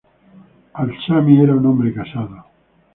Al-Zlami era un hombre casado.